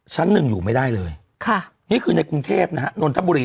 ชั้นหนึ่งอยู่ไม่ได้เลยค่ะนี่คือในกรุงเทพนะฮะนนทบุรี